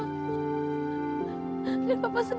tidak ada mama